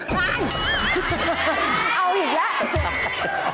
เอาอีกแล้ว